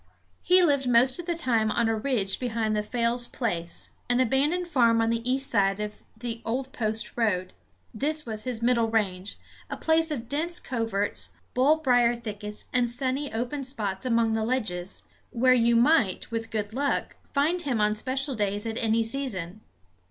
He lived most of the time on a ridge behind the 'Fales place,' an abandoned farm on the east of the old post road. This was his middle range, a place of dense coverts, bullbrier thickets and sunny open spots among the ledges, where you might, with good luck, find him on special days at any season.